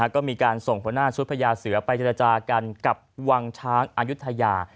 ก็มีการส่งหัวหน้าชุดพญาเสือไปเจรจากันกับวังช้างอายุทยา